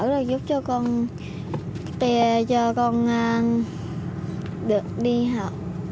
và giúp cho con đi học